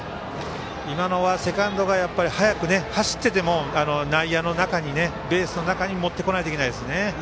今のはセカンドが走ってても内野の中に、ベースの中に持ってこないといけないですね。